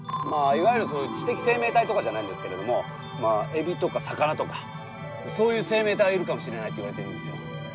まあいわゆる知的生命体とかじゃないんですけれどもまあエビとか魚とかそういう生命体いるかもしれないっていわれてるんですよ。